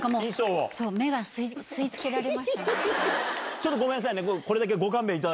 ちょっとごめんなさいね。